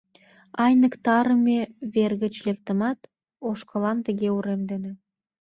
— Айныктарыме вер гыч лектымат, ошкылам тыге урем дене...